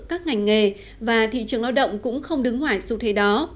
các ngành nghề và thị trường lao động cũng không đứng ngoài xu thế đó